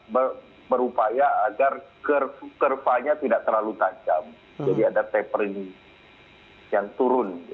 mereka berupaya agar kerpa nya tidak terlalu tajam jadi ada tapering yang turun